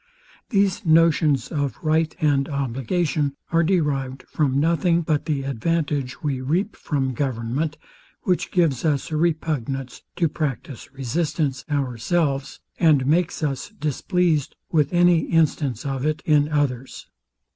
These notions of right and obligation are derived from nothing but the advantage we reap from government, which gives us a repugnance to practise resistance ourselves, and makes us displeased with any instance of it in others.